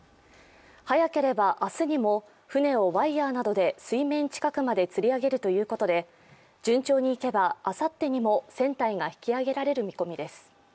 早ければ明日にも船をワイヤーなどで水面近くまでつり上げるということで、順調にいけばあさってにも船体が引き揚げられる見込みです。